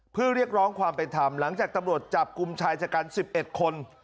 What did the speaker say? เพื่อเรียกร้องความเป็นธรรมหลังจากตำรวจจับกลุ่มชายชะกัน๑๑คน